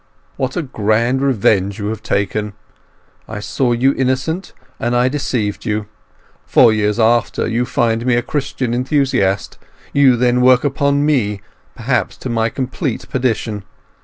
What a grand revenge you have taken! I saw you innocent, and I deceived you. Four years after, you find me a Christian enthusiast; you then work upon me, perhaps to my complete perdition!